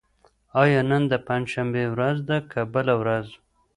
آیا نن د پنجشنبې ورځ ده که بله ورځ؟